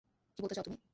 কী বলতে চাও, তুমি?